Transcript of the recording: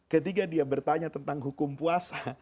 ketika dia bertanya tentang hukum puasa